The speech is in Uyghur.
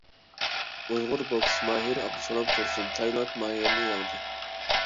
ئۇيغۇر بوكس ماھىرى ئابدۇسالام تۇرسۇن تايلاند ماھىرىنى يەڭدى.